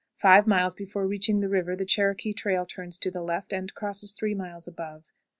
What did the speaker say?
Five miles before reaching the river the Cherokee trail turns to the left, and crosses three miles above.